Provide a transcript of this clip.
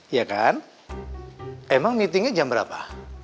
ya kan emang meetingnya jam berapa